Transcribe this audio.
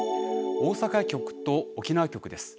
大阪局と沖縄局です。